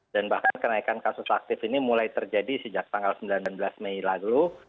dan bahkan kenaikan kasus aktif ini mulai terjadi sejak tanggal sembilan belas mei lalu